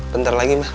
bentar lagi ma